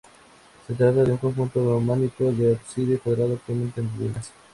Se trata de un conjunto románico de ábside cuadrado actualmente en ruinas.